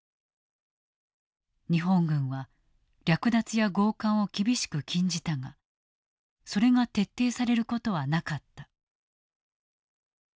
日本軍は略奪や強姦を厳しく禁じたがそれが徹底されることはなかった。